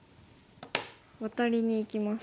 ワタリにいきますと。